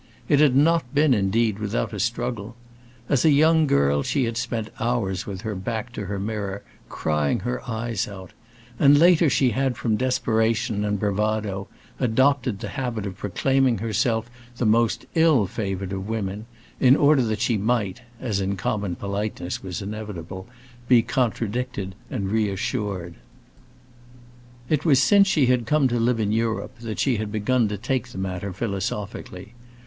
It had not been, indeed, without a struggle. As a young girl she had spent hours with her back to her mirror, crying her eyes out; and later she had from desperation and bravado adopted the habit of proclaiming herself the most ill favored of women, in order that she might—as in common politeness was inevitable—be contradicted and reassured. It was since she had come to live in Europe that she had begun to take the matter philosophically.